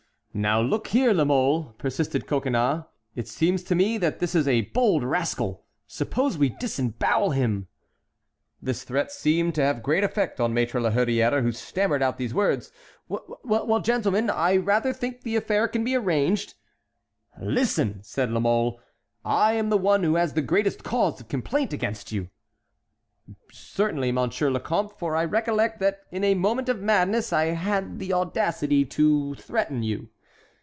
"Now look here, La Mole," persisted Coconnas, "it seems to me that this is a bold rascal; suppose we disembowel him!" This threat seemed to have great effect on Maître La Hurière, who stammered out these words: "Well, gentlemen, I rather think the affair can be arranged." "Listen!" said La Mole, "I am the one who has the greatest cause of complaint against you." "Certainly, Monsieur le Comte, for I recollect that in a moment of madness I had the audacity to threaten you."